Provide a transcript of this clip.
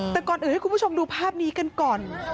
แต่ก่อนอื่นให้คุณผู้ชมดูภาพนี้กันก่อน